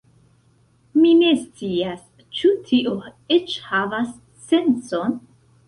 Mi ne scias, ĉu tio eĉ havas sencon.